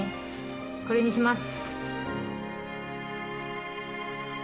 これにします。